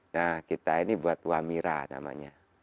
nah kita ini buat wamira namanya